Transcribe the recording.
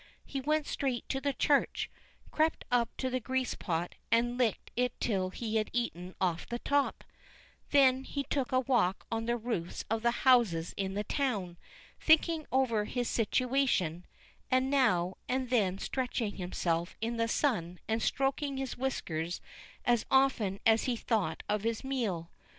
He went straight to the church, crept up to the grease pot, and licked it till he had eaten off the top; then he took a walk on the roofs of the houses in the town, thinking over his situation, and now and then stretching himself in the sun and stroking his whiskers as often as he thought of his meal.